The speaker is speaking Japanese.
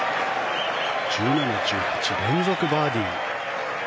１７、１８連続バーディー。